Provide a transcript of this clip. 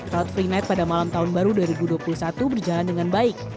road free night pada malam tahun baru dua ribu dua puluh satu berjalan dengan baik